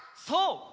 そう！